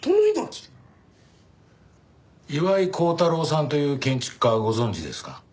岩井剛太郎さんという建築家ご存じですか？